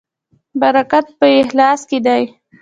برکت په اخلاص کې دی